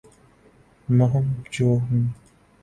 مہم جو ہوں